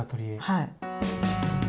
はい。